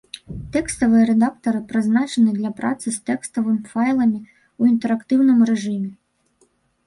Тэкставыя рэдактары прызначаны для працы з тэкставымі файламі ў інтэрактыўным рэжыме.